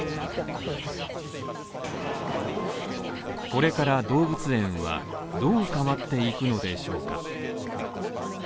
これから動物園はどう変わっていくのでしょうか？